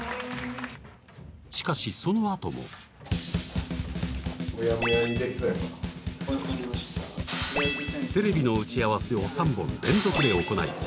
しかしそのあともこれは分かりましたテレビの打ち合わせを３本連続で行い